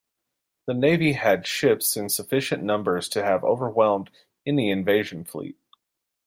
The navy had ships in sufficient numbers to have overwhelmed any invasion fleet.